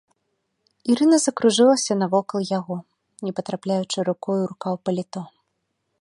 Ірына закружылася навокал яго, не патрапляючы рукой у рукаў паліто.